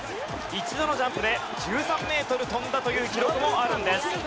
一度のジャンプで１３メートル跳んだという記録もあるんです。